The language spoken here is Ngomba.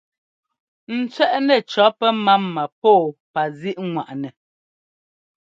N tsẅɛ́ꞌnɛ cɔ̌ pɛmáma pɔ́ɔpazíꞌŋwaꞌnɛ.